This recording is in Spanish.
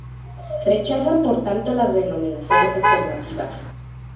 Rechazan por tanto las denominaciones alternativas.